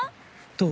どう？